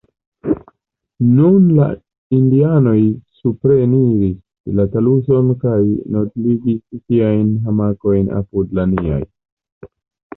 Nun la indianoj supreniris la taluson kaj nodligis siajn hamakojn apud la niaj.